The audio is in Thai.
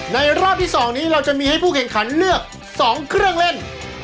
รอบที่๒นี้เราจะมีให้ผู้แข่งขันเลือก๒เครื่องเล่น